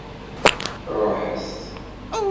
Ruḥet!